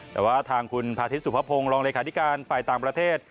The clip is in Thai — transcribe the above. แต่ว่าทางคุณพาทิตยสุภพงศ์รองเลขาธิการฝ่ายต่างประเทศ